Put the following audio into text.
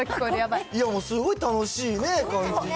すごい楽しいね、感じに。